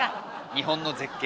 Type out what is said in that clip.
日本の絶景。